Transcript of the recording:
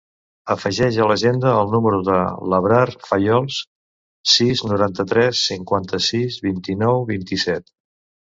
Afegeix a l'agenda el número de l'Abrar Fayos: sis, noranta-tres, cinquanta-sis, vint-i-nou, vint-i-set.